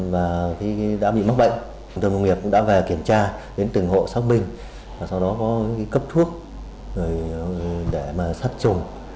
và khi đã bị mắc bệnh thường công nghiệp cũng đã về kiểm tra đến từng hộ xác minh sau đó có cấp thuốc để sát trùng